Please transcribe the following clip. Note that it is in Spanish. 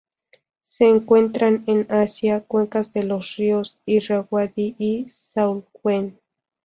Se encuentran en Asia: cuencas de los ríos Irrawaddy y Salween.